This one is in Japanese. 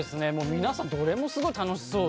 皆さんどれもすごい楽しそうで。